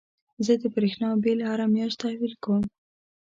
زه د برېښنا بيل هره مياشت تحويل کوم.